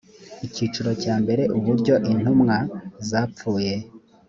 icyiciro cya mbere uburyo intumwa zapfuye